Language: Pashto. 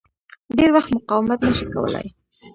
ډېر وخت مقاومت نه شي کولای.